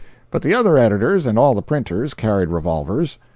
But the other editors, and all the printers, carried revolvers.